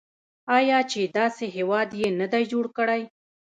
آیا چې داسې هیواد یې نه دی جوړ کړی؟